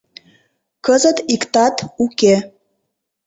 Кызыт иктат уке.